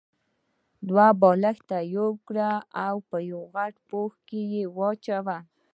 دوه بالښته يو کړئ او په غټ پوښ کې يې واچوئ.